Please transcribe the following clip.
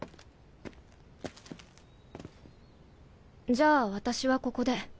じゃあ私はここで。